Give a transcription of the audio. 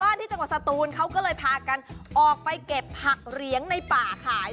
ที่จังหวัดสตูนเขาก็เลยพากันออกไปเก็บผักเหรียงในป่าขาย